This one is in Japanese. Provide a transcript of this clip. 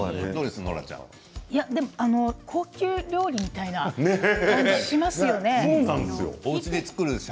高級料理みたいな感じがしますよね。